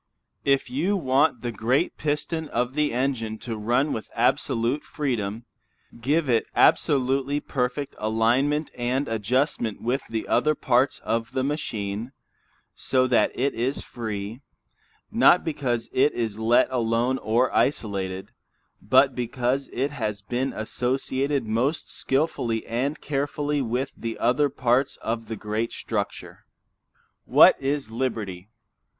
If you want the great piston of the engine to run with absolute freedom, give it absolutely perfect alignment and adjustment with the other parts of the machine, so that it is free, not because it is let alone or isolated, but because it has been associated most skilfully and carefully with the other parts of the great structure. What it liberty?